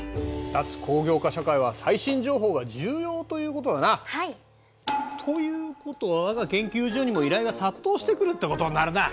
脱工業化社会は最新情報が重要ということだな。ということはわが研究所にも依頼が殺到してくるってことになるな。